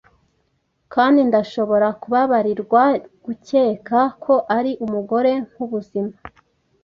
kandi ndashobora kubabarirwa gukeka ko ari umugore, nkubuzima,